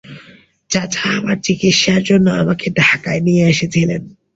চাচা আমার চিকিৎসার জন্যে আমাকে ঢাকায় নিয়ে এসেছিলেন।